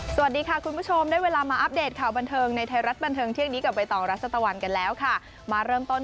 สวัสดีค่ะคุณผู้ชมได้เวลามาอัปเดตข่าวบันเทิงในไทยรัฐบันเทิงเที่ยงนี้กับใบตองรัชตะวันกันแล้วค่ะมาเริ่มต้น